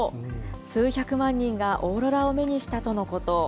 数百万人がオーロラを目にしたとのこと。